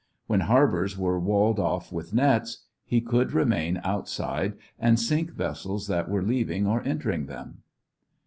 When harbors were walled off with nets, he could remain outside and sink vessels that were leaving or entering them.